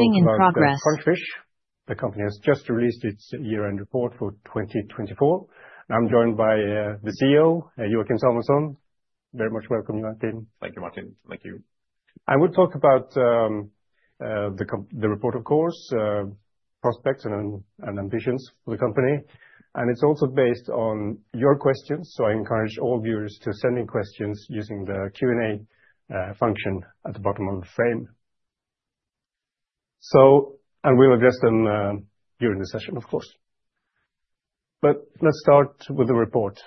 Boarding in progress. Crunchfish, the company has just released its year-end report for 2024. I'm joined by the CEO, Joachim Samuelsson. Very much welcome, Joachim. Thank you, Martin. Thank you. I will talk about the report, of course, prospects and ambitions for the company. It is also based on your questions. I encourage all viewers to send in questions using the Q&A function at the bottom of the frame. We will address them during the session, of course. Let us start with the report.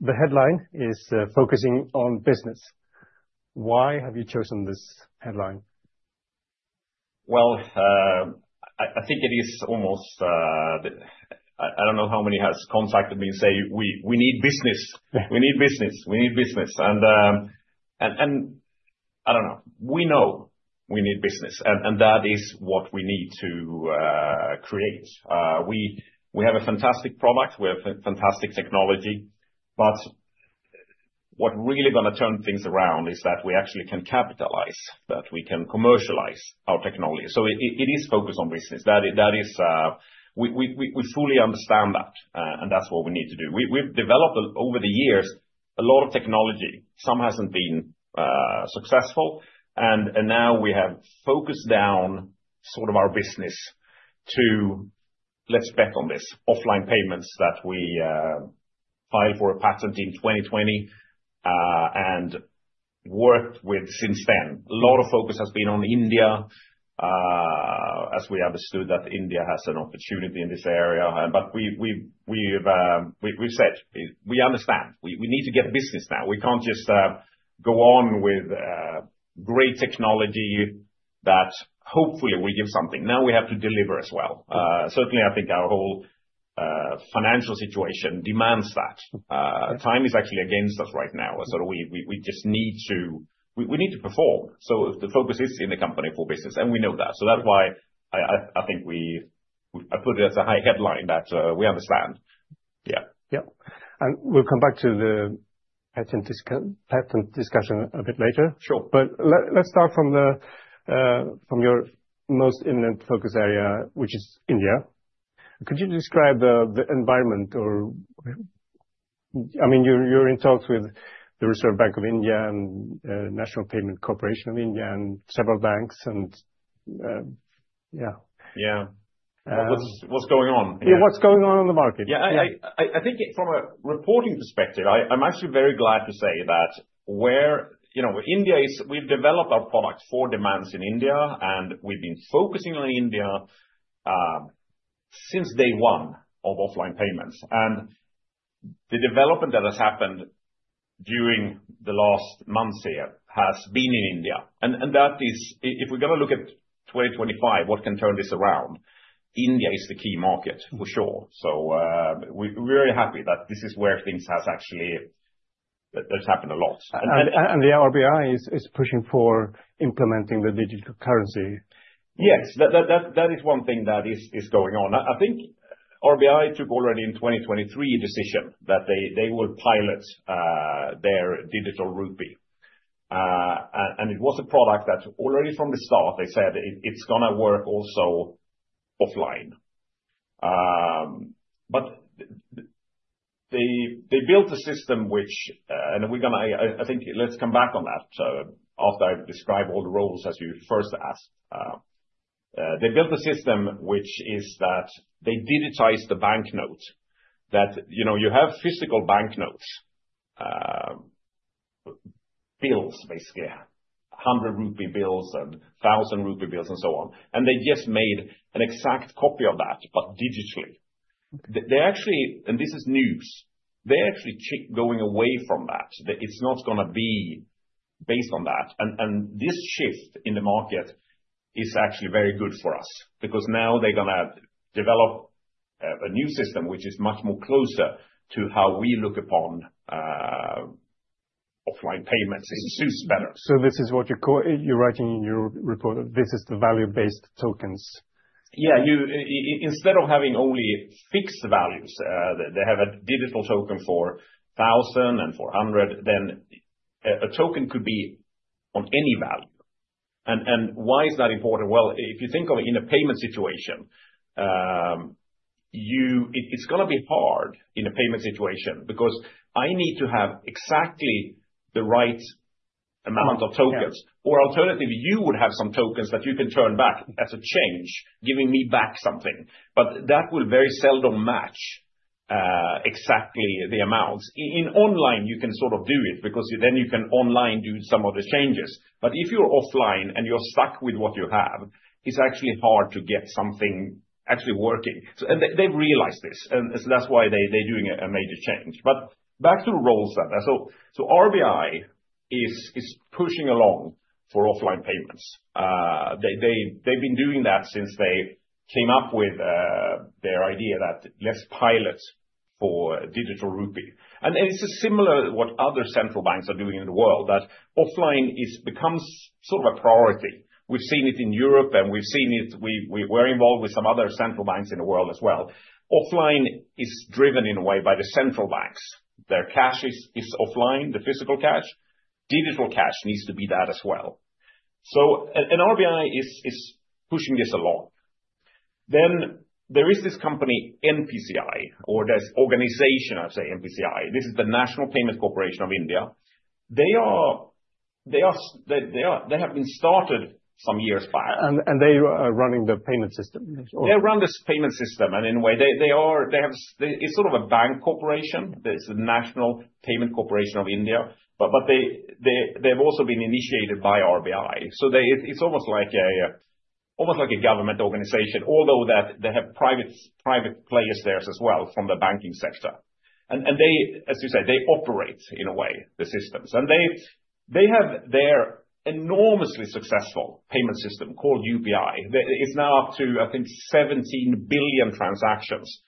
The headline is focusing on business. Why have you chosen this headline? I think it is almost I don't know how many have contacted me and said, "We need business. We need business. We need business." I don't know. We know we need business. That is what we need to create. We have a fantastic product. We have fantastic technology. What is really going to turn things around is that we actually can capitalize, that we can commercialize our technology. It is focused on business. We fully understand that. That is what we need to do. We have developed over the years a lot of technology. Some has not been successful. Now we have focused down sort of our business to, let's bet on this, offline payments that we filed for a patent in 2020 and worked with since then. A lot of focus has been on India, as we understood that India has an opportunity in this area. We have said, "We understand. We need to get business now. We cannot just go on with great technology that hopefully will give something." Now we have to deliver as well. Certainly, I think our whole financial situation demands that. Time is actually against us right now. We just need to perform. The focus is in the company for business. We know that. That is why I think I put it as a high headline that we understand. Yeah. Yeah. We will come back to the patent discussion a bit later. Sure. Let's start from your most imminent focus area, which is India. Could you describe the environment? I mean, you're in talks with the Reserve Bank of India and National Payment Corporation of India and several banks. Yeah. Yeah. What's going on? Yeah, what's going on in the market? Yeah. I think from a reporting perspective, I'm actually very glad to say that we've developed our product for demands in India. And we've been focusing on India since day one of offline payments. The development that has happened during the last months here has been in India. That is, if we're going to look at 2025, what can turn this around? India is the key market, for sure. We're very happy that this is where things have actually happened a lot. RBI is pushing for implementing the digital currency. Yes. That is one thing that is going on. I think the RBI took already in 2023 a decision that they will pilot their digital rupee. It was a product that already from the start, they said it's going to work also offline. They built a system, which I think let's come back on that after I describe all the roles as you first asked. They built a system, which is that they digitized the bank note, that you have physical bank notes, bills, basically, 100 rupee bills and 1,000 rupee bills and so on. They just made an exact copy of that, but digitally. This is news. They are actually going away from that. It's not going to be based on that. This shift in the market is actually very good for us because now they're going to develop a new system which is much more closer to how we look upon offline payments. It suits better. This is what you're writing in your report. This is the value-based tokens. Yeah. Instead of having only fixed values, they have a digital token for 1,000 and 400. Then a token could be on any value. Why is that important? If you think of it in a payment situation, it's going to be hard in a payment situation because I need to have exactly the right amount of tokens. Alternatively, you would have some tokens that you can turn back as a change, giving me back something. That will very seldom match exactly the amounts. In online, you can sort of do it because then you can online do some of the changes. If you're offline and you're stuck with what you have, it's actually hard to get something actually working. They've realized this. That's why they're doing a major change. Back to the roles that RBI is pushing along for offline payments. They've been doing that since they came up with their idea that let's pilot for digital rupee. It's similar to what other central banks are doing in the world, that offline becomes sort of a priority. We've seen it in Europe. We've seen it. We're involved with some other central banks in the world as well. Offline is driven in a way by the central banks. Their cash is offline, the physical cash. Digital cash needs to be that as well. RBI is pushing this along. There is this company, NPCI, or this organization, I'd say NPCI. This is the National Payment Corporation of India. They have been started some years back. They are running the payment system. They run this payment system. In a way, it's sort of a bank corporation. It's the National Payment Corporation of India. They've also been initiated by RBI. It's almost like a government organization, although they have private players there as well from the banking sector. As you said, they operate, in a way, the systems. They have their enormously successful payment system called UPI. It's now up to, I think, 17 billion transactions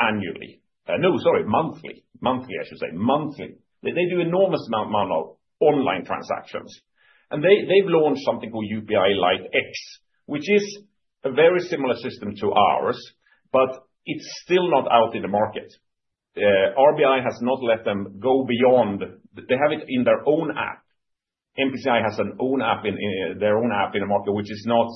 annually. No, sorry, monthly. Monthly, I should say. Monthly. They do an enormous amount of online transactions. They've launched something called UPI Lite X, which is a very similar system to ours, but it's still not out in the market. RBI has not let them go beyond. They have it in their own app. NPCI has their own app in the market, which is not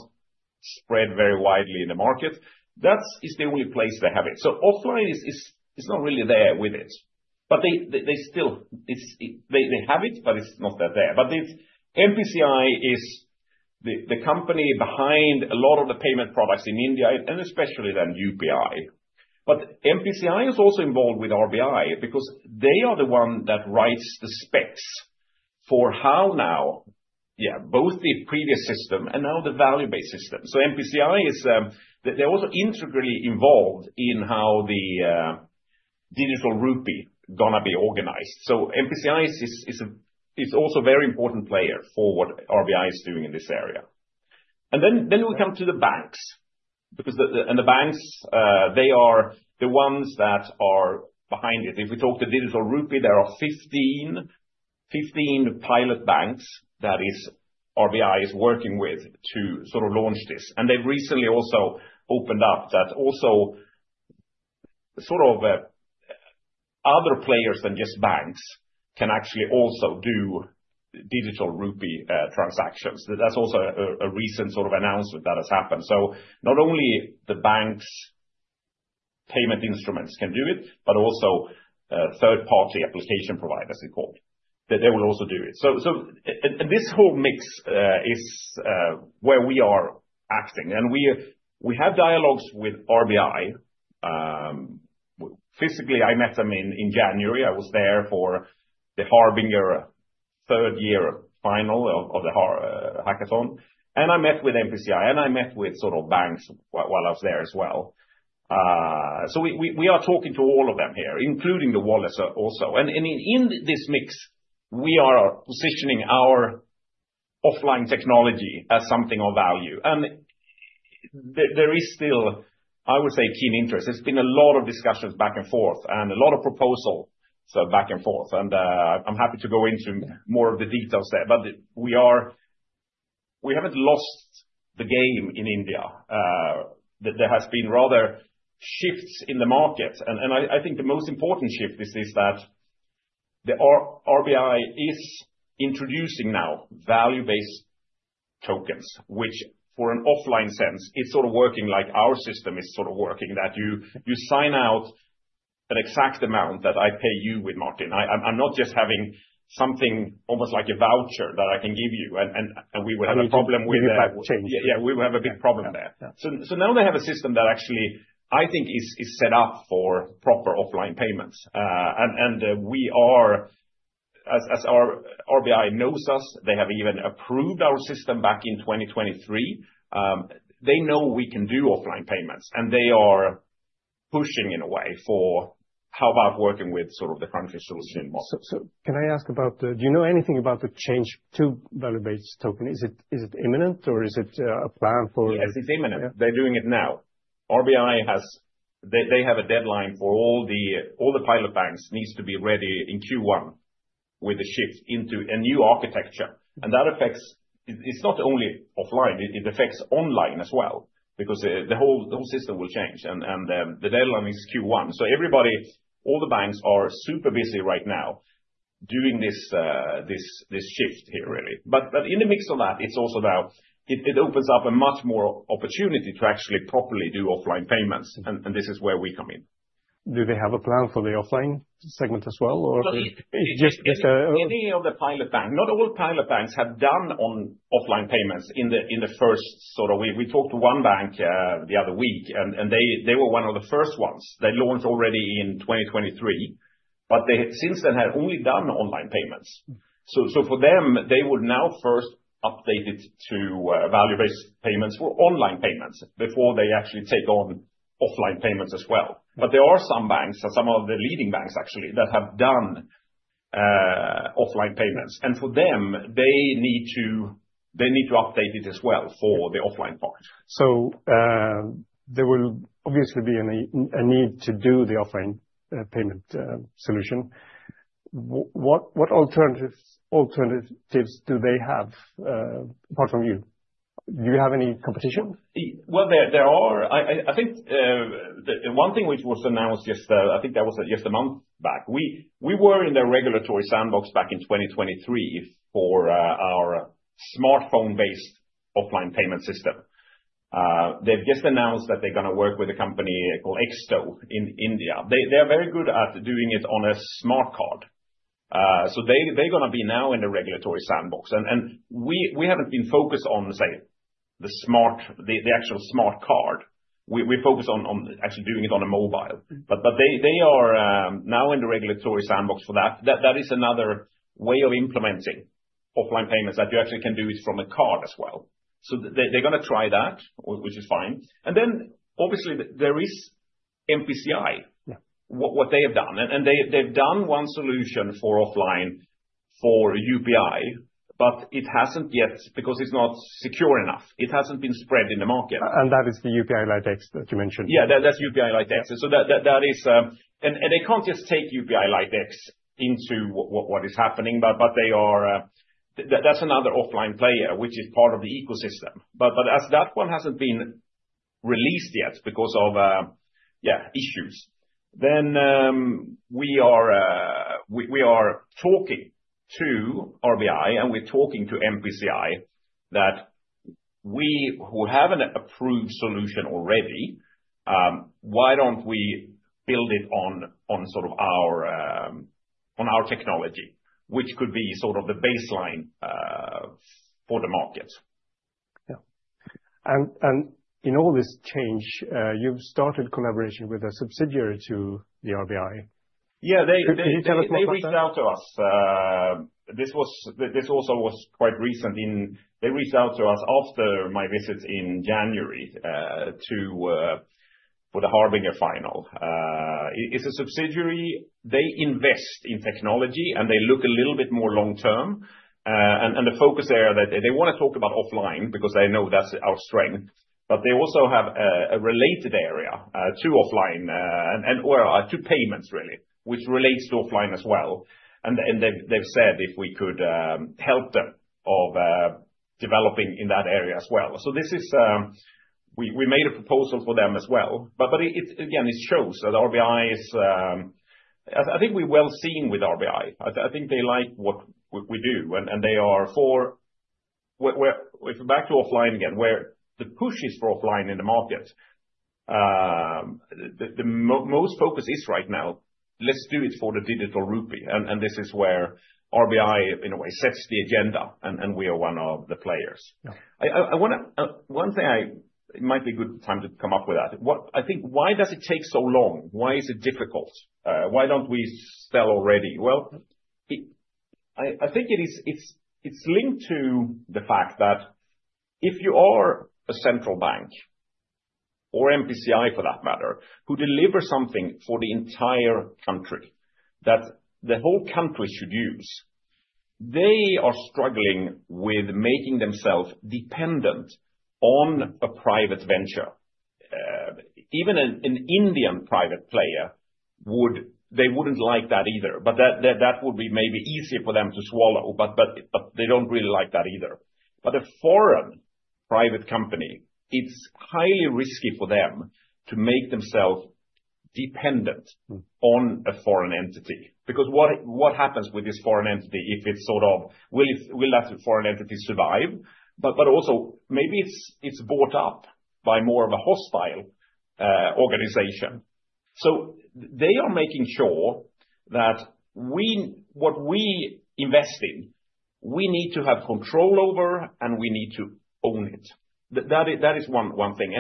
spread very widely in the market. That is the only place they have it. Offline is not really there with it. They have it, but it's not that there. NPCI is the company behind a lot of the payment products in India, and especially then UPI. NPCI is also involved with RBI because they are the one that writes the specs for how now, yeah, both the previous system and now the value-based system. NPCI is also integrally involved in how the digital rupee is going to be organized. NPCI is also a very important player for what RBI is doing in this area. Then we come to the banks. The banks, they are the ones that are behind it. If we talk to digital rupee, there are 15 pilot banks that RBI is working with to sort of launch this. They've recently also opened up that also sort of other players than just banks can actually also do digital rupee transactions. That's also a recent sort of announcement that has happened. Not only the banks' payment instruments can do it, but also third-party application providers, they're called. They will also do it. This whole mix is where we are acting. We have dialogues with the RBI. Physically, I met them in January. I was there for the Harbinger third-year final of the hackathon. I met with the NPCI. I met with sort of banks while I was there as well. We are talking to all of them here, including the wallets also. In this mix, we are positioning our offline technology as something of value. There is still, I would say, keen interest. There's been a lot of discussions back and forth and a lot of proposals back and forth. I'm happy to go into more of the details there. We haven't lost the game in India. There has been rather shifts in the market. I think the most important shift is that RBI is introducing now value-based tokens, which for an offline sense, it's sort of working like our system is sort of working, that you sign out an exact amount that I pay you with, Martin. I'm not just having something almost like a voucher that I can give you. We will have a problem with that. You'll have a big change. Yeah, we will have a big problem there. Now they have a system that actually, I think, is set up for proper offline payments. We are, as RBI knows us, they have even approved our system back in 2023. They know we can do offline payments. They are pushing in a way for how about working with sort of the Crunchfish Joachim model. Can I ask about, do you know anything about the change to value-based token? Is it imminent, or is it a plan for? Yes, it's imminent. They're doing it now. RBI, they have a deadline for all the pilot banks needs to be ready in Q1 with the shift into a new architecture. That affects, it's not only offline. It affects online as well because the whole system will change. The deadline is Q1. Everybody, all the banks are super busy right now doing this shift here, really. In the mix of that, it also now opens up a much more opportunity to actually properly do offline payments. This is where we come in. Do they have a plan for the offline segment as well, or just? Any of the pilot banks, not all pilot banks have done offline payments in the first sort of we talked to one bank the other week. They were one of the first ones. They launched already in 2023. They since then had only done online payments. For them, they will now first update it to value-based payments for online payments before they actually take on offline payments as well. There are some banks, some of the leading banks actually, that have done offline payments. For them, they need to update it as well for the offline part. There will obviously be a need to do the offline payment solution. What alternatives do they have apart from you? Do you have any competition? There are. I think one thing which was announced just, I think that was just a month back. We were in their regulatory sandbox back in 2023 for our smartphone-based offline payment system. They have just announced that they are going to work with a company called Exto in India. They are very good at doing it on a smart card. They are going to be now in the regulatory sandbox. We have not been focused on, say, the actual smart card. We focus on actually doing it on a mobile. They are now in the regulatory sandbox for that. That is another way of implementing offline payments that you actually can do it from a card as well. They are going to try that, which is fine. Obviously, there is NPCI, what they have done. They've done one solution for offline for UPI, but it hasn't yet because it's not secure enough. It hasn't been spread in the market. That is the UPI Lite X that you mentioned. Yeah, that's UPI Lite X. They can't just take UPI Lite X into what is happening. That is another offline player, which is part of the ecosystem. As that one hasn't been released yet because of issues, we are talking to RBI and we're talking to NPCI that we who have an approved solution already, why don't we build it on sort of our technology, which could be sort of the baseline for the market. Yeah. In all this change, you've started collaboration with a subsidiary to the RBI. Yeah. They reached out to us. This also was quite recent. They reached out to us after my visit in January for the Harbinger final. It's a subsidiary. They invest in technology, and they look a little bit more long term. The focus area that they want to talk about is offline because I know that's our strength. They also have a related area to offline and to payments, really, which relates to offline as well. They have said if we could help them with developing in that area as well. We made a proposal for them as well. Again, it shows that RBI is, I think we're well seen with RBI. I think they like what we do. They are for, if we're back to offline again, where the push is for offline in the market, the most focus is right now, let's do it for the digital rupee. This is where the RBI, in a way, sets the agenda. We are one of the players. One thing I might be a good time to come up with that, I think, why does it take so long? Why is it difficult? Why don't we sell already? I think it's linked to the fact that if you are a central bank or National Payment Corporation of India for that matter, who delivers something for the entire country that the whole country should use, they are struggling with making themselves dependent on a private venture. Even an Indian private player, they wouldn't like that either. That would be maybe easier for them to swallow. They do not really like that either. A foreign private company, it is highly risky for them to make themselves dependent on a foreign entity. Because what happens with this foreign entity if it is sort of, will that foreign entity survive? Also, maybe it is bought up by more of a hostile organization. They are making sure that what we invest in, we need to have control over, and we need to own it. That is one thing.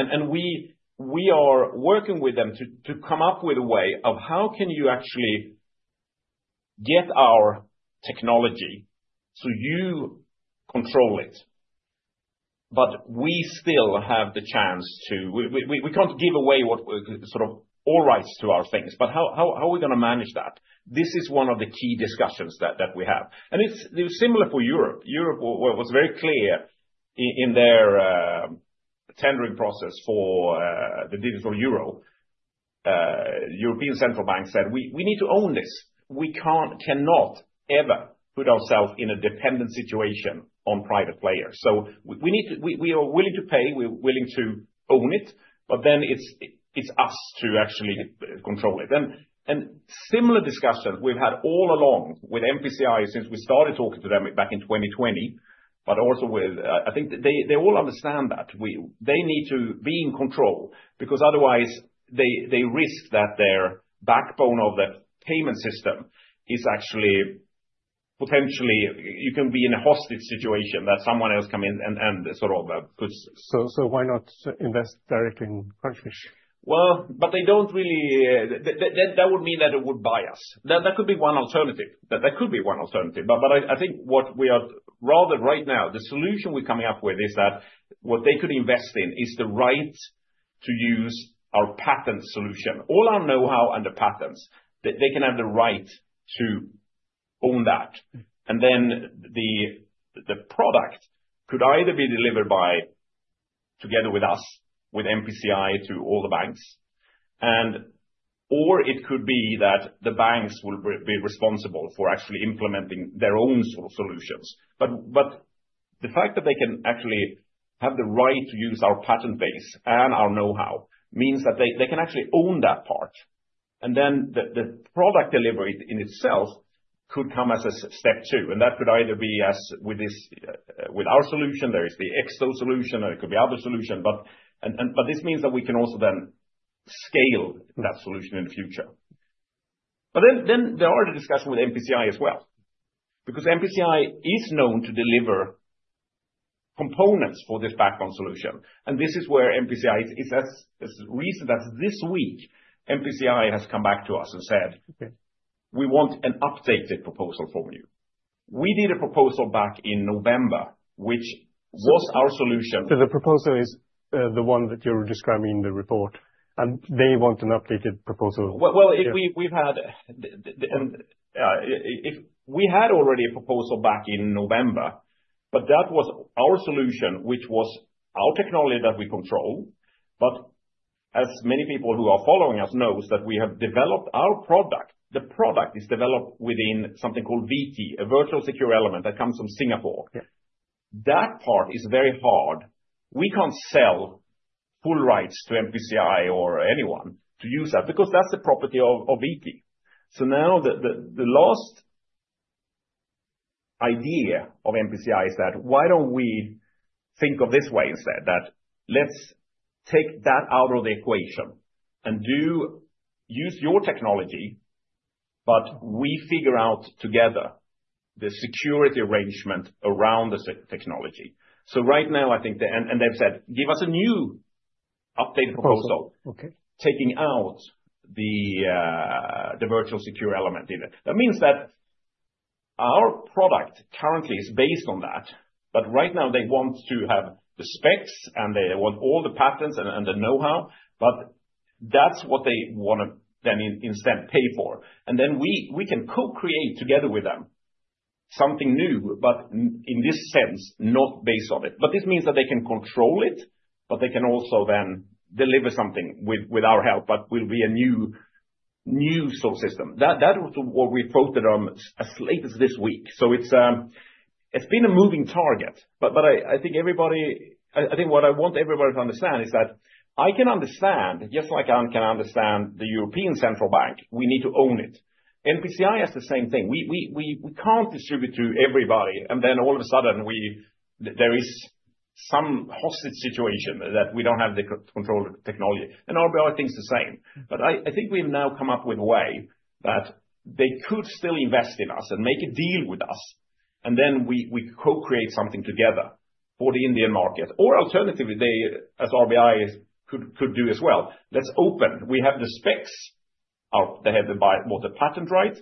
We are working with them to come up with a way of how can you actually get our technology so you control it. We still have the chance to, we cannot give away sort of all rights to our things. How are we going to manage that? This is one of the key discussions that we have. It is similar for Europe. Europe was very clear in their tendering process for the digital euro. European Central Bank said, we need to own this. We cannot ever put ourselves in a dependent situation on private players. We are willing to pay, we are willing to own it. It is us to actually control it. Similar discussions we have had all along with NPCI since we started talking to them back in 2020. I think they all understand that they need to be in control because otherwise they risk that their backbone of the payment system is actually potentially, you can be in a hostage situation that someone else comes in and sort of puts. Why not invest directly in Crunchfish? They don't really, that would mean that it would buy us. That could be one alternative. That could be one alternative. I think what we are rather right now, the solution we're coming up with is that what they could invest in is the right to use our patent solution. All our know-how and the patents, they can have the right to own that. The product could either be delivered together with us, with NPCI to all the banks. Or it could be that the banks will be responsible for actually implementing their own sort of solutions. The fact that they can actually have the right to use our patent base and our know-how means that they can actually own that part. The product delivery in itself could come as a step two. That could either be with our solution, there is the Exto solution, or it could be other solutions. This means that we can also then scale that solution in the future. There are the discussions with NPCI as well, because NPCI is known to deliver components for this background solution. This is where NPCI, as recent as this week, has come back to us and said, we want an updated proposal from you. We did a proposal back in November, which was our solution. The proposal is the one that you're describing in the report. They want an updated proposal. We had already a proposal back in November. That was our solution, which was our technology that we control. As many people who are following us know, we have developed our product. The product is developed within something called VT, a virtual secure element that comes from Singapore. That part is very hard. We can't sell full rights to NPCI or anyone to use that because that's the property of VT. Now the last idea of NPCI is that, why don't we think of this way instead, that let's take that out of the equation and use your technology, but we figure out together the security arrangement around the technology. Right now, I think, and they've said, give us a new updated proposal taking out the virtual secure element in it. That means that our product currently is based on that. Right now, they want to have the specs and they want all the patents and the know-how. That is what they want to then instead pay for. We can co-create together with them something new, but in this sense, not based on it. This means that they can control it, but they can also then deliver something with our help, but it will be a new sort of system. That was what we voted on as late as this week. It has been a moving target. I think what I want everybody to understand is that I can understand, just like I can understand the European Central Bank, we need to own it. NPCI has the same thing. We cannot distribute to everybody. All of a sudden, there is some hostage situation that we do not have the control of the technology. RBI thinks the same. I think we've now come up with a way that they could still invest in us and make a deal with us. We co-create something together for the Indian market. Alternatively, as RBI could do as well, let's open. We have the specs. They have the patent right.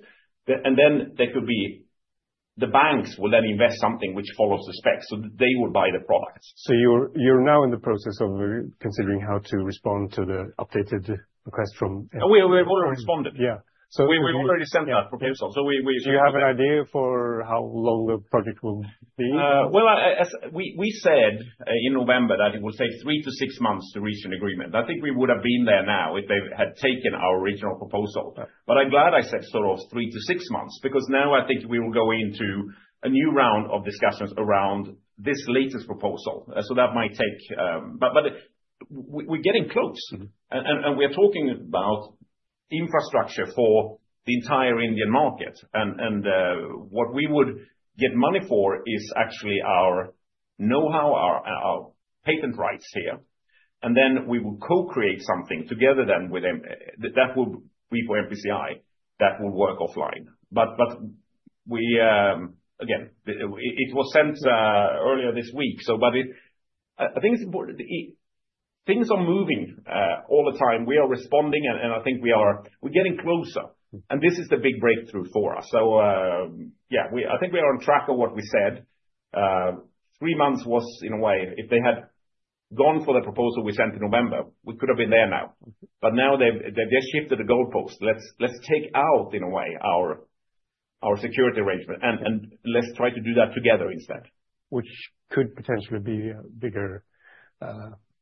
They could be the banks will then invest something which follows the specs. They will buy the products. You're now in the process of considering how to respond to the updated request from. We have already responded. Yeah. We've already sent that proposal. We. Do you have an idea for how long the project will be? We said in November that it will take three to six months to reach an agreement. I think we would have been there now if they had taken our original proposal. I am glad I said sort of three to six months because now I think we will go into a new round of discussions around this latest proposal. That might take, but we are getting close. We are talking about infrastructure for the entire Indian market. What we would get money for is actually our know-how, our patent rights here. We will co-create something together with them that will be for NPCI that will work offline. It was sent earlier this week. I think it is important. Things are moving all the time. We are responding. I think we are getting closer. This is the big breakthrough for us. Yeah, I think we are on track of what we said. Three months was in a way, if they had gone for the proposal we sent in November, we could have been there now. Now they've just shifted the goalpost. Let's take out in a way our security arrangement. Let's try to do that together instead. Which could potentially be a bigger,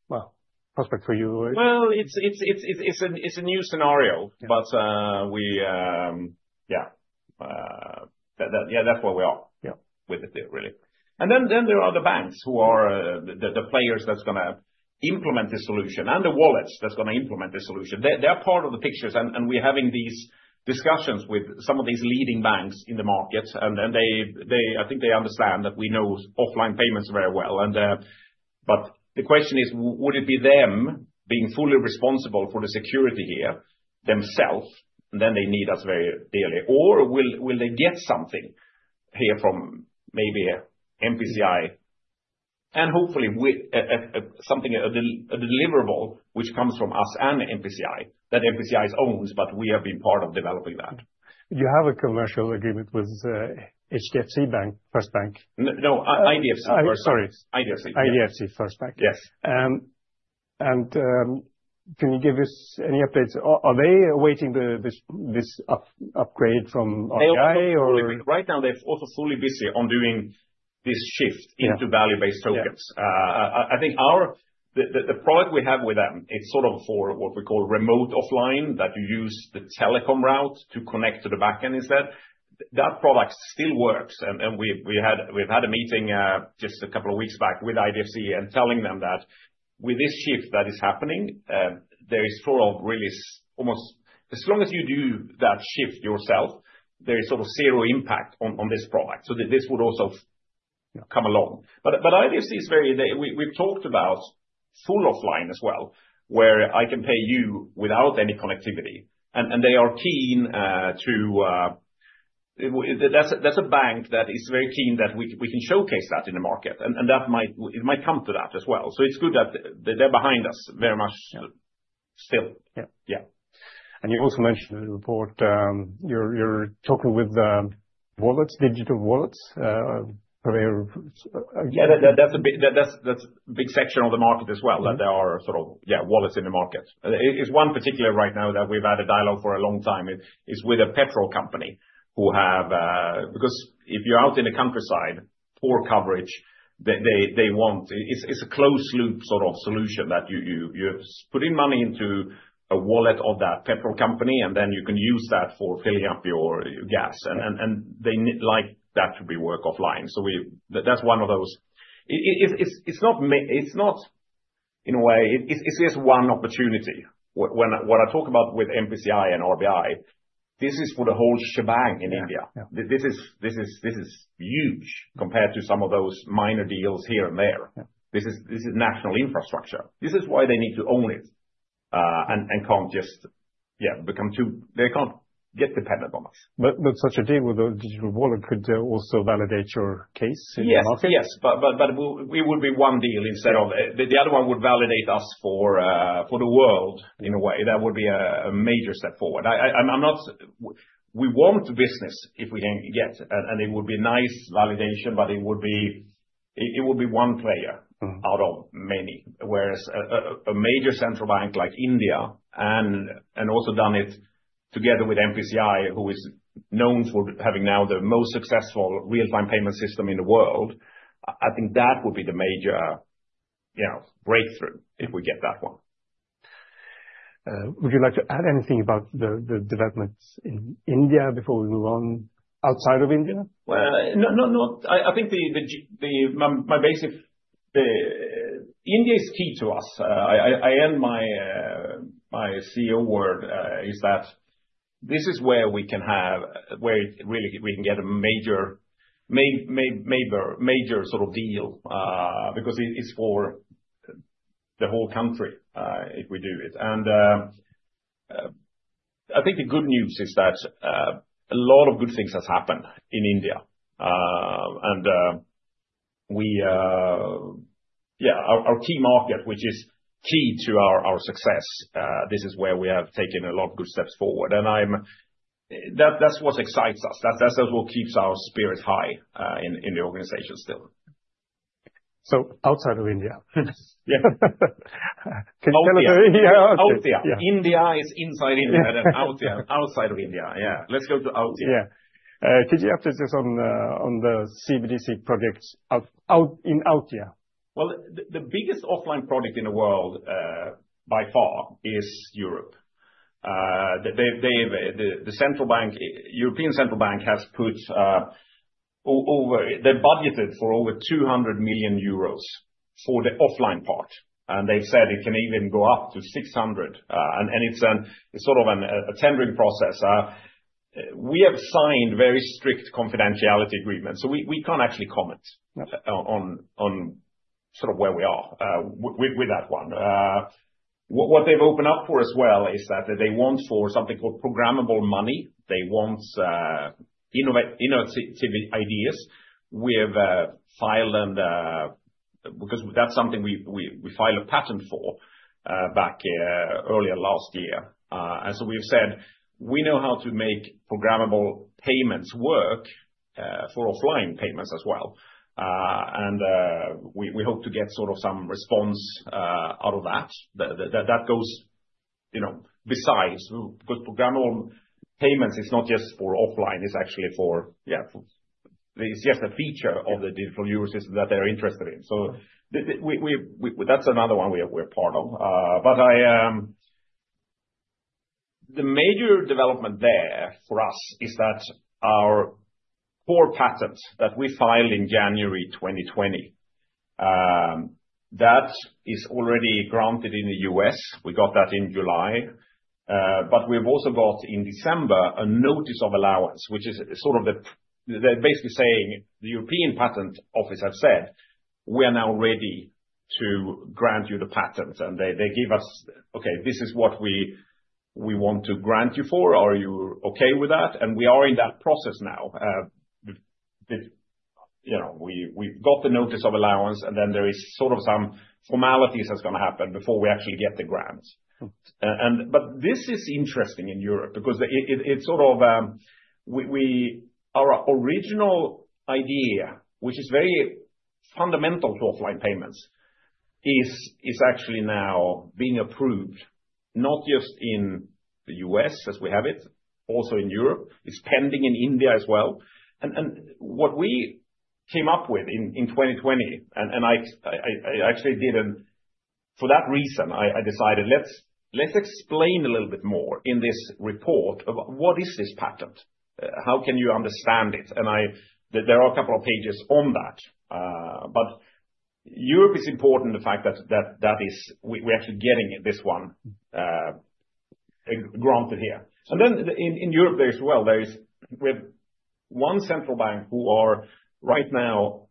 well, prospect for you. It is a new scenario. Yeah, that is where we are with it really. There are the banks who are the players that are going to implement this solution and the wallets that are going to implement this solution. They are part of the picture. We are having these discussions with some of these leading banks in the market. I think they understand that we know offline payments very well. The question is, would it be them being fully responsible for the security here themselves? They need us very dearly. Or will they get something here from maybe National Payment Corporation of India and hopefully something deliverable which comes from us and NPCI that NPCI owns, but we have been part of developing that. You have a commercial agreement with HDFC Bank, IDFC First Bank. No, IDFC First Bank. Sorry. IDFC. IDFC First Bank. Yes. Can you give us any updates? Are they awaiting this upgrade from RBI? Right now, they're also fully busy on doing this shift into value-based tokens. I think the product we have with them, it's sort of for what we call remote offline that you use the telecom route to connect to the backend instead. That product still works. We had a meeting just a couple of weeks back with IDFC and telling them that with this shift that is happening, there is sort of really almost as long as you do that shift yourself, there is sort of zero impact on this product. This would also come along. IDFC is very, we've talked about full offline as well, where I can pay you without any connectivity. They are keen to, that's a bank that is very keen that we can showcase that in the market. It might come to that as well. It's good that they're behind us very much still. Yeah. You also mentioned in the report, you're talking with wallets, digital wallets. Yeah, that's a big section of the market as well that there are sort of wallets in the market. It's one particular right now that we've had a dialogue for a long time is with a petrol company who have, because if you're out in the countryside, poor coverage, they want, it's a closed loop sort of solution that you put in money into a wallet of that petrol company. Then you can use that for filling up your gas. They like that to work offline. That's one of those, it's not in a way, it's just one opportunity. What I talk about with NPCI and RBI, this is for the whole shebang in India. This is huge compared to some of those minor deals here and there. This is national infrastructure. This is why they need to own it and can't just, yeah, become too, they can't get dependent on us. Such a deal with a digital wallet could also validate your case in the market. Yes, yes. We would be one deal instead of the other one would validate us for the world in a way. That would be a major step forward. We want business if we can get. It would be nice validation, but it would be one player out of many. Whereas a major central bank like India and also done it together with NPCI, who is known for having now the most successful real-time payment system in the world, I think that would be the major breakthrough if we get that one. Would you like to add anything about the developments in India before we move on outside of India? No, no, no. I think my basic, India is key to us. I end my CEO word is that this is where we can have, where really we can get a major sort of deal because it's for the whole country if we do it. I think the good news is that a lot of good things have happened in India. Yeah, our key market, which is key to our success, this is where we have taken a lot of good steps forward. That's what excites us. That's what keeps our spirits high in the organization still. Outside of India. Yeah. Can you tell us? Out here. India is inside India and out here, outside of India. Yeah, let's go to out here. Yeah. Could you update us on the CBDC projects out here? The biggest offline product in the world by far is Europe. The central bank, European Central Bank, has budgeted for over 200 million euros for the offline part. They have said it can even go up to 600 million. It is sort of a tendering process. We have signed very strict confidentiality agreements, so we cannot actually comment on where we are with that one. What they have opened up for as well is that they want something called programmable money. They want innovative ideas. We have filed, and because that is something we filed a patent for back earlier last year. We have said we know how to make programmable payments work for offline payments as well. We hope to get some response out of that. That goes besides, because programmable payments, it is not just for offline. It's actually for, yeah, it's just a feature of the digital euro system that they're interested in. That's another one we're part of. The major development there for us is that our core patent that we filed in January 2020, that is already granted in the U.S. We got that in July. We also got in December a notice of allowance, which is basically saying the European Patent Office has said, we are now ready to grant you the patent. They give us, okay, this is what we want to grant you for. Are you okay with that? We are in that process now. We've got the notice of allowance. There are some formalities that are going to happen before we actually get the grant. This is interesting in Europe because it's sort of our original idea, which is very fundamental to offline payments, is actually now being approved not just in the U.S. as we have it, also in Europe. It's pending in India as well. What we came up with in 2020, and I actually didn't, for that reason, I decided let's explain a little bit more in this report of what is this patent. How can you understand it? There are a couple of pages on that. Europe is important in the fact that we're actually getting this one granted here. In Europe, there's one central bank who are right now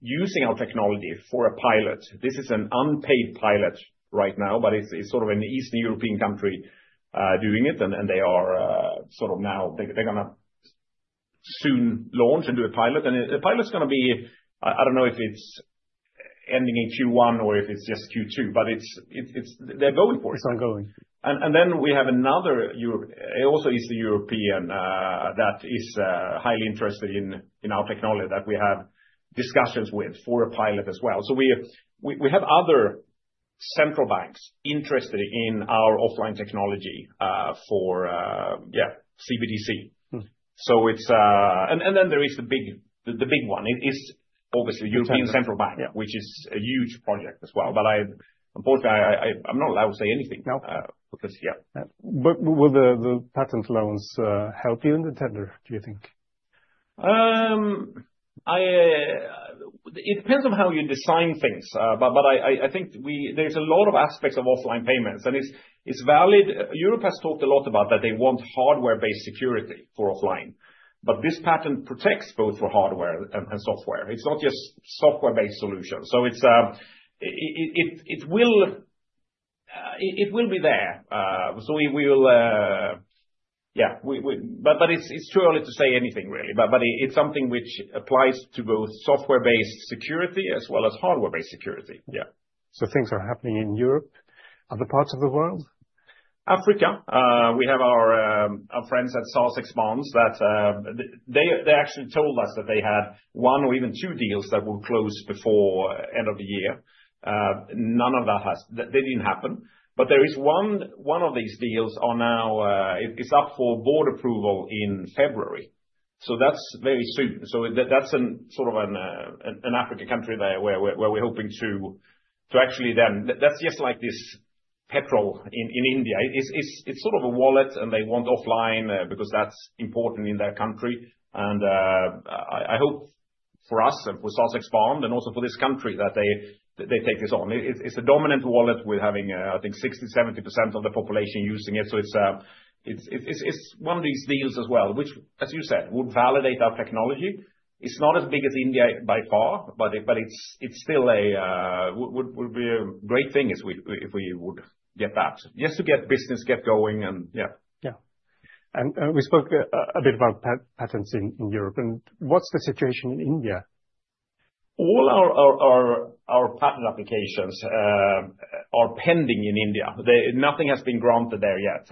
using our technology for a pilot. This is an unpaid pilot right now, but it's sort of an Eastern European country doing it. They are sort of now, they're going to soon launch and do a pilot. The pilot's going to be, I don't know if it's ending in Q1 or if it's just Q2, but they're going for it. It's ongoing. We have another, it also is the European that is highly interested in our technology that we have discussions with for a pilot as well. We have other central banks interested in our offline technology for, yeah, CBDC. There is the big one. It's obviously European Central Bank, which is a huge project as well. Unfortunately, I'm not allowed to say anything. No. Because, yeah. Will the patent loans help you in the tender, do you think? It depends on how you design things. I think there's a lot of aspects of offline payments, and it's valid. Europe has talked a lot about that they want hardware-based security for offline. This patent protects both for hardware and software. It's not just software-based solutions. It will be there. We will, yeah. It's too early to say anything really. It's something which applies to both software-based security as well as hardware-based security. Yeah. Things are happening in Europe. Other parts of the world? Africa. We have our friends at SaaS Expanse. They actually told us that they had one or even two deals that were closed before the end of the year. None of that has, they did not happen. There is one of these deals on our, it is up for board approval in February. That is very soon. That is sort of an African country where we are hoping to actually then, that is just like this petrol in India. It is sort of a wallet and they want offline because that is important in their country. I hope for us and for SaaS Expanse and also for this country that they take this on. It is a dominant wallet with having, I think, 60-70% of the population using it. It is one of these deals as well, which, as you said, would validate our technology. It's not as big as India by far, but it's still a, would be a great thing if we would get that. Just to get business, get going and yeah. Yeah. We spoke a bit about patents in Europe. What's the situation in India? All our patent applications are pending in India. Nothing has been granted there yet.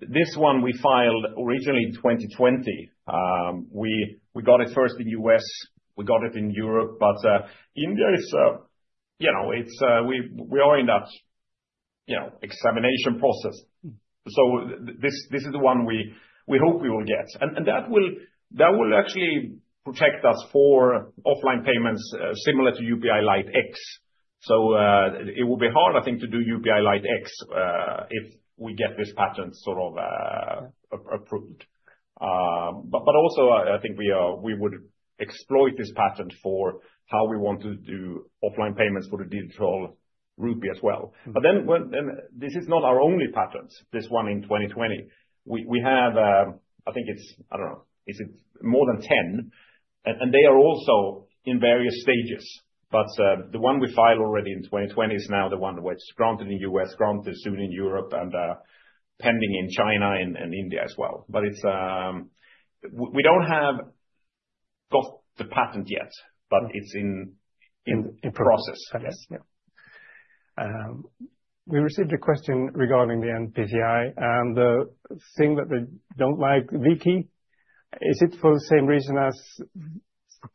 This one we filed originally in 2020. We got it first in the US. We got it in Europe. India is, you know, we are in that examination process. This is the one we hope we will get. That will actually protect us for offline payments similar to UPI Lite X. It will be hard, I think, to do UPI Lite X if we get this patent sort of approved. I think we would exploit this patent for how we want to do offline payments for the digital rupee as well. This is not our only patent, this one in 2020. We have, I think it's, I don't know, is it more than 10? They are also in various stages. The one we filed already in 2020 is now the one which is granted in the U.S., granted soon in Europe, and pending in China and India as well. We do not have the patent yet, but it is in process. In process. Yeah. We received a question regarding the NPCI. The thing that they do not like, V-Key, is it for the same reason as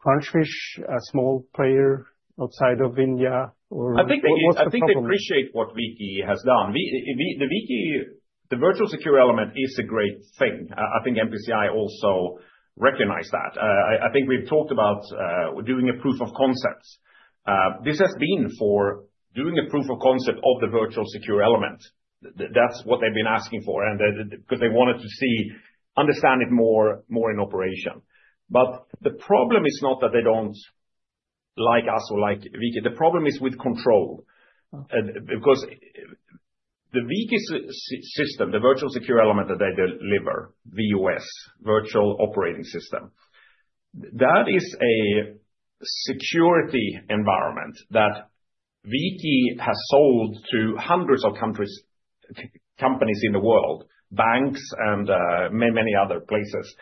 Crunchfish, a small player outside of India or? I think they appreciate what V-Key has done. The V-Key, the virtual secure element, is a great thing. I think NPCI also recognized that. I think we've talked about doing a proof of concept. This has been for doing a proof of concept of the virtual secure element. That's what they've been asking for because they wanted to see, understand it more in operation. The problem is not that they don't like us or like V-Key. The problem is with control. Because the V-Key system, the virtual secure element that they deliver, VOS, virtual operating system, that is a security environment that V-Key has sold to hundreds of companies in the world, banks and many, many other places.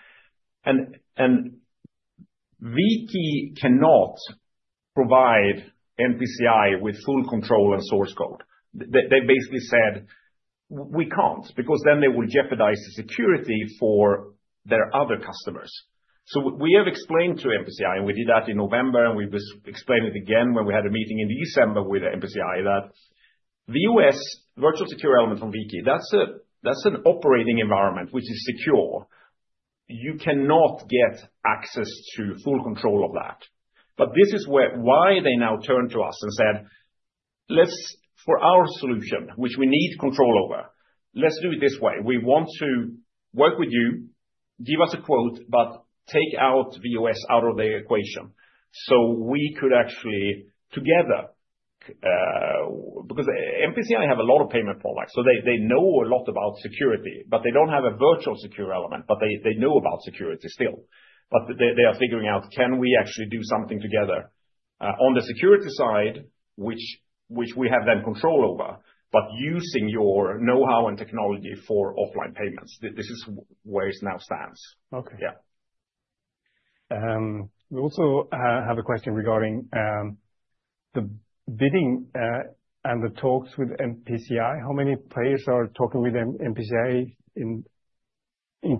V-Key cannot provide NPCI with full control and source code. They basically said, we can't because then they will jeopardize the security for their other customers. We have explained to NPCI, and we did that in November, and we were explaining it again when we had a meeting in December with NPCI that the US virtual secure element from V-Key, that's an operating environment which is secure. You cannot get access to full control of that. This is why they now turned to us and said, for our solution, which we need control over, let's do it this way. We want to work with you, give us a quote, but take out VSE out of the equation so we could actually together, because NPCI have a lot of payment products. They know a lot about security, but they don't have a virtual secure element, but they know about security still. They are figuring out, can we actually do something together on the security side, which we have then control over, but using your know-how and technology for offline payments. This is where it now stands. Okay. Yeah. We also have a question regarding the bidding and the talks with NPCI. How many players are talking with NPCI in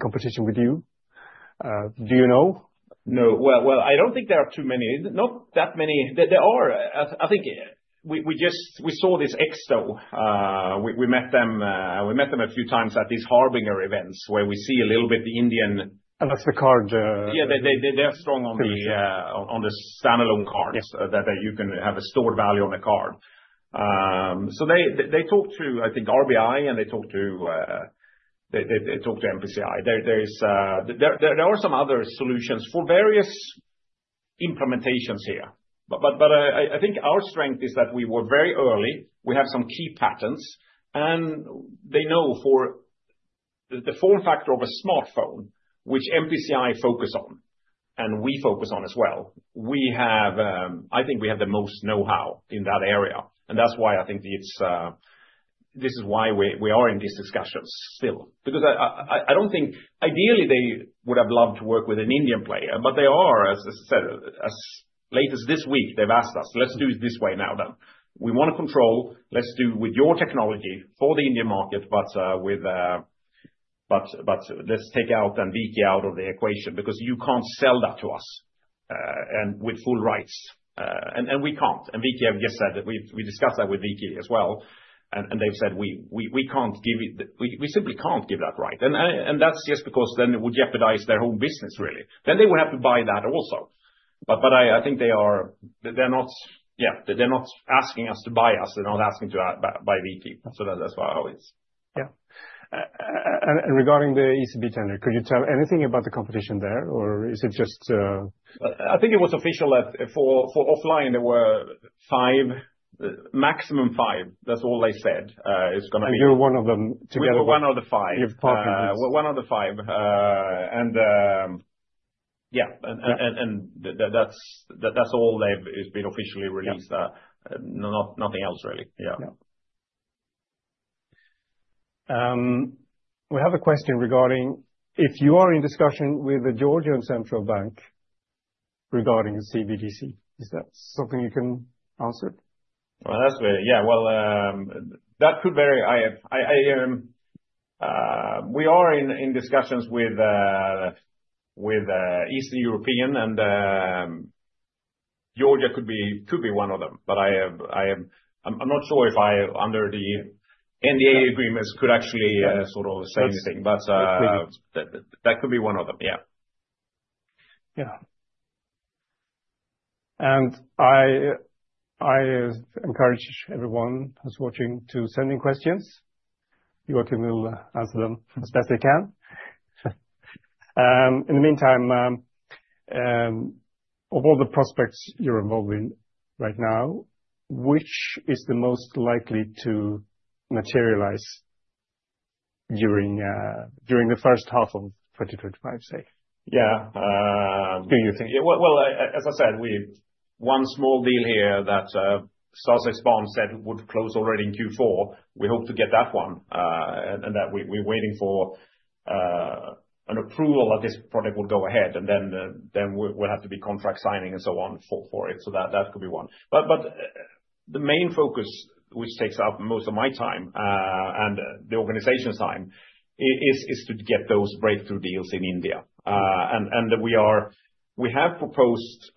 competition with you? Do you know? No. I do not think there are too many. Not that many. There are. I think we just, we saw this Exto. We met them a few times at these Harbinger events where we see a little bit the Indian. That's the card. Yeah, they are strong on the standalone cards that you can have a stored value on the card. They talked to, I think, RBI, and they talked to National Payment Corporation of India. There are some other solutions for various implementations here. I think our strength is that we were very early. We have some key patents. They know for the form factor of a smartphone, which National Payment Corporation of India focus on, and we focus on as well, I think we have the most know-how in that area. This is why I think we are in these discussions still. I do not think ideally they would have loved to work with an Indian player, but they are, as I said, as late as this week, they have asked us, let's do it this way now then. We want to control, let's do with your technology for the Indian market, but let's take out then V-Key out of the equation because you can't sell that to us and with full rights. We can't. V-Key, I've just said that we discussed that with V-Key as well. They've said we can't give it, we simply can't give that right. That is just because it would jeopardize their own business really. They would have to buy that also. I think they are, they're not, yeah, they're not asking us to buy us. They're not asking to buy V-Key. That's why it's. Yeah. Regarding the ECB tender, could you tell anything about the competition there or is it just? I think it was official for offline, there were five, maximum five. That's all they said. It's going to be. You're one of them together? We're one of the five. You're part of this. One of the five. Yeah, and that's all they've been officially released. Nothing else really. Yeah. We have a question regarding if you are in discussion with the Georgian Central Bank regarding CBDC. Is that something you can answer? That is very, yeah, that could vary. We are in discussions with Eastern European, and Georgia could be one of them. I am not sure if under the NDA agreements I could actually sort of say anything. That could be one of them. Yeah. Yeah. I encourage everyone who's watching to send in questions. Joachim will answer them as best he can. In the meantime, of all the prospects you're involved in right now, which is the most likely to materialize during the first half of 2025, say? Yeah. Do you think? As I said, one small deal here that SaaS Expanse said would close already in Q4. We hope to get that one and that we're waiting for an approval that this project would go ahead. We will have to be contract signing and so on for it. That could be one. The main focus, which takes up most of my time and the organization's time, is to get those breakthrough deals in India. We have proposed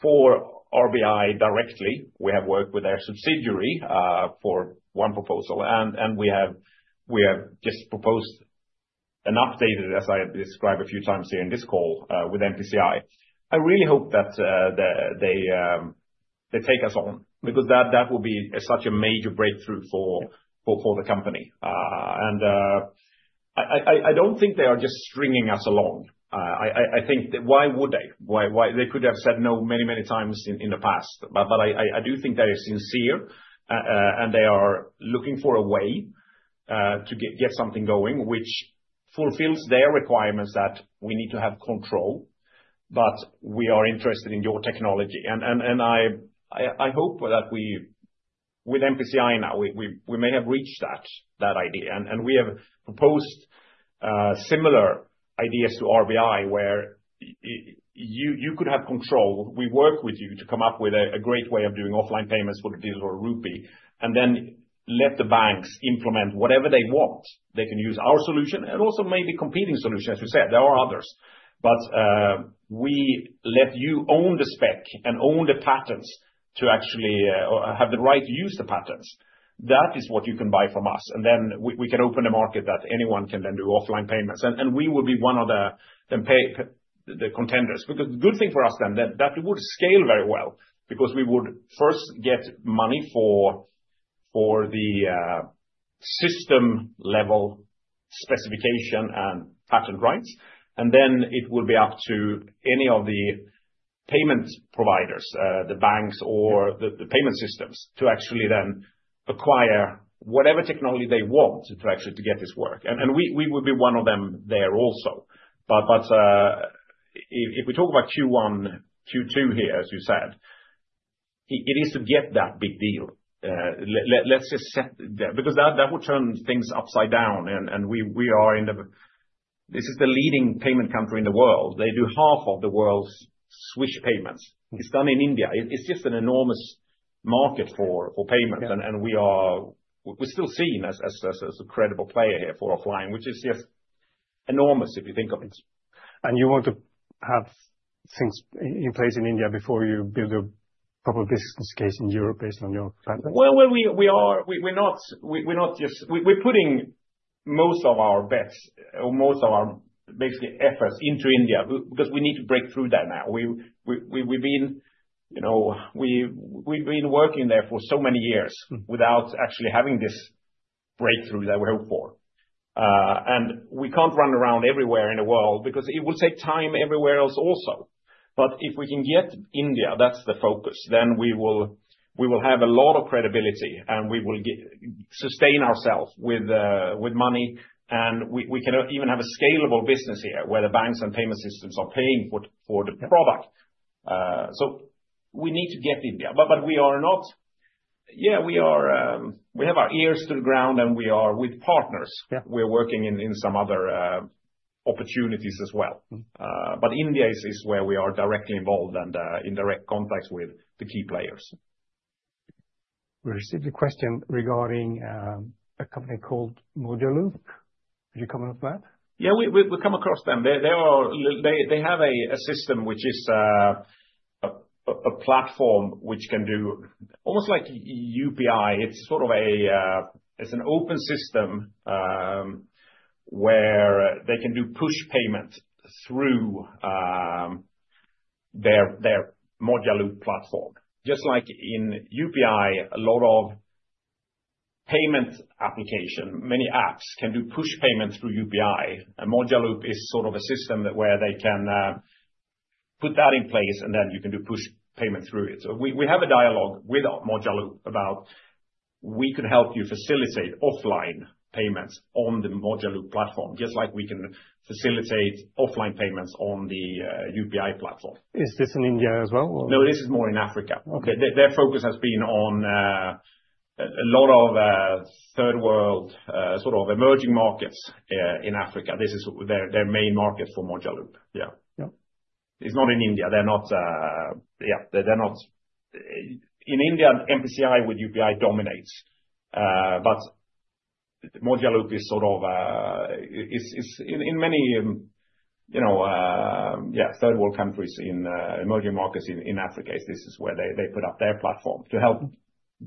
for Reserve Bank of India directly. We have worked with their subsidiary for one proposal. We have just proposed an updated, as I described a few times here in this call with National Payment Corporation of India. I really hope that they take us on because that will be such a major breakthrough for the company. I don't think they are just stringing us along. I think why would they? They could have said no many, many times in the past. I do think they are sincere and they are looking for a way to get something going, which fulfills their requirements that we need to have control, but we are interested in your technology. I hope that with NPCI now, we may have reached that idea. We have proposed similar ideas to RBI where you could have control. We work with you to come up with a great way of doing offline payments for the digital rupee and then let the banks implement whatever they want. They can use our solution and also maybe competing solutions, as you said. There are others. We let you own the spec and own the patents to actually have the right to use the patents. That is what you can buy from us. We can open the market that anyone can then do offline payments. We will be one of the contenders because the good thing for us then is that it would scale very well because we would first get money for the system level specification and patent rights. It will be up to any of the payment providers, the banks or the payment systems to actually then acquire whatever technology they want to actually get this work. We would be one of them there also. If we talk about Q1, Q2 here, as you said, it is to get that big deal. Let's just set because that would turn things upside down. We are in the, this is the leading payment country in the world. They do half of the world's Swish payments. It's done in India. It's just an enormous market for payments. We're still seen as a credible player here for offline, which is just enormous if you think of it. You want to have things in place in India before you build a proper business case in Europe based on your patent? We are putting most of our bets or most of our basically efforts into India because we need to break through that now. We have been working there for so many years without actually having this breakthrough that we hope for. We cannot run around everywhere in the world because it will take time everywhere else also. If we can get India, that is the focus, then we will have a lot of credibility and we will sustain ourselves with money. We can even have a scalable business here where the banks and payment systems are paying for the product. We need to get India. We have our ears to the ground and we are with partners. We are working in some other opportunities as well. India is where we are directly involved and in direct contact with the key players. We received a question regarding a company called Modeloop. Did you come up with that? Yeah, we've come across them. They have a system which is a platform which can do almost like UPI. It's sort of an open system where they can do push payment through their Modeloop platform. Just like in UPI, a lot of payment applications, many apps can do push payments through UPI. Modeloop is sort of a system where they can put that in place and then you can do push payment through it. We have a dialogue with Modeloop about we could help you facilitate offline payments on the Modeloop platform, just like we can facilitate offline payments on the UPI platform. Is this in India as well? No, this is more in Africa. Their focus has been on a lot of third world sort of emerging markets in Africa. This is their main market for Modeloop. Yeah. It is not in India. They are not, yeah, they are not in India, NPCI with UPI dominates. Modeloop is sort of in many, yeah, third world countries in emerging markets in Africa, this is where they put up their platform to help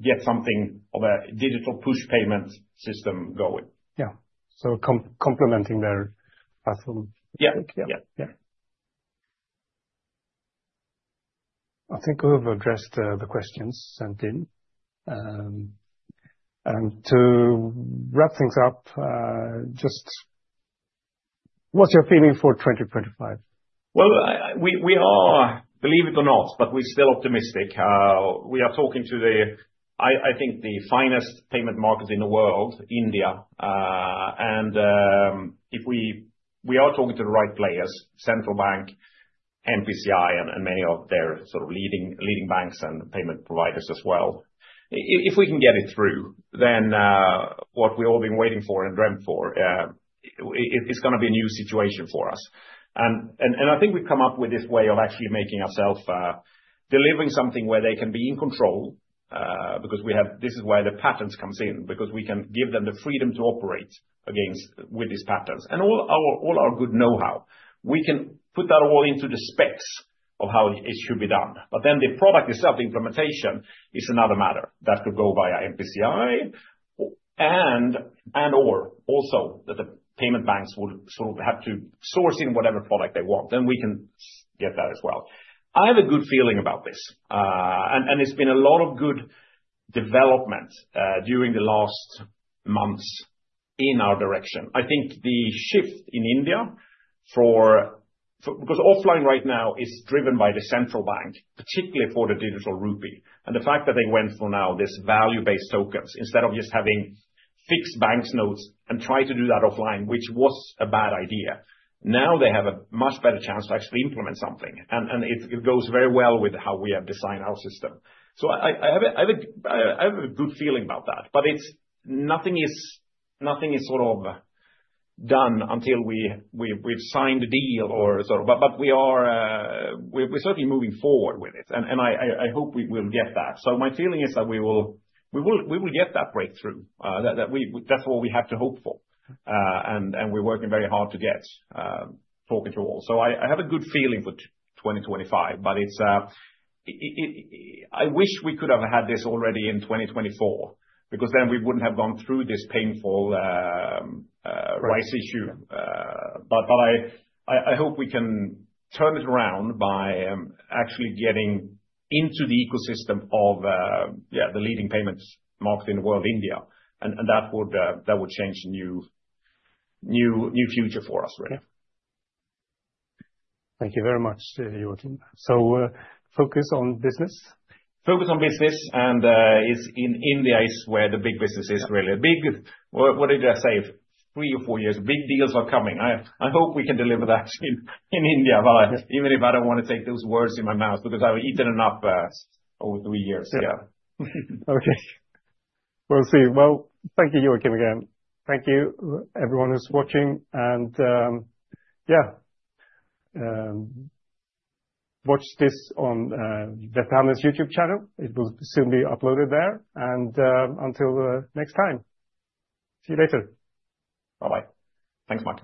get something of a digital push payment system going. Yeah. So complementing their platform. Yeah. Yeah. I think we've addressed the questions sent in. To wrap things up, just what's your feeling for 2025? We are, believe it or not, but we're still optimistic. We are talking to the, I think the finest payment market in the world, India. If we are talking to the right players, Central Bank, NPCI, and many of their sort of leading banks and payment providers as well. If we can get it through, then what we've all been waiting for and dreamt for, it's going to be a new situation for us. I think we've come up with this way of actually making ourselves delivering something where they can be in control because this is where the patents come in because we can give them the freedom to operate against with these patents and all our good know-how. We can put that all into the specs of how it should be done. The product itself, the implementation is another matter that could go via NPCI and/or also that the payment banks would sort of have to source in whatever product they want. We can get that as well. I have a good feeling about this. It has been a lot of good development during the last months in our direction. I think the shift in India, because offline right now is driven by the central bank, particularly for the digital rupee. The fact that they went for value-based tokens instead of just having fixed bank notes and trying to do that offline, which was a bad idea, now they have a much better chance to actually implement something. It goes very well with how we have designed our system. I have a good feeling about that. Nothing is sort of done until we've signed a deal or sort of, but we are certainly moving forward with it. I hope we will get that. My feeling is that we will get that breakthrough. That's what we have to hope for. We're working very hard to get talking to all. I have a good feeling for 2025, but I wish we could have had this already in 2024 because then we wouldn't have gone through this painful price issue. I hope we can turn it around by actually getting into the ecosystem of, yeah, the leading payment market in the world, India. That would change a new future for us, really. Thank you very much, Joachim. Focus on business? Focus on business. In India is where the big business is, really. What did I say? Three or four years, big deals are coming. I hope we can deliver that in India, even if I don't want to take those words in my mouth because I've eaten enough over three years. Yeah. Okay. We'll see. Thank you, Joachim again. Thank you, everyone who's watching. Yeah, watch this on Beth Hamlin's YouTube channel. It will soon be uploaded there. Until next time, see you later. Bye-bye. Thanks, Martin.